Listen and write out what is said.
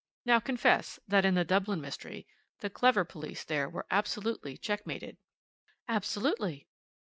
Now, confess that, in the Dublin mystery, the clever police there were absolutely checkmated." "Absolutely."